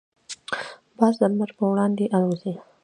باز د لمر پر وړاندې الوزي.